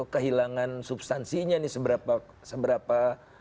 kehilangan substansinya ya